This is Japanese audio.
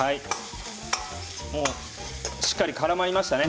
もうしっかりとからまりましたね。